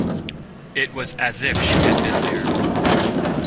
It was as if she had been there.